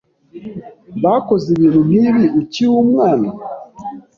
Bakoze ibintu nkibi ukiri umwana?